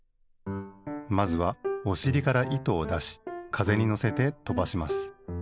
まずはおしりから糸をだしかぜにのせてとばします。